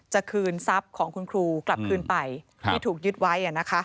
จะคืนทรัพย์ของคุณครูกลับคืนไปที่ถูกยึดไว้